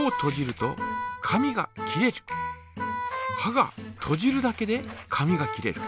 がとじるだけで紙が切れる。